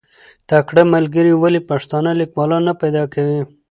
تکړه ملګري ولې پښتانه لیکوالان نه پیدا کوي؟